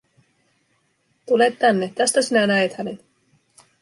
Tule tänne, tästä sinä näet hänet.